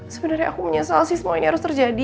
sebenarnya aku menyesal sih semua ini harus terjadi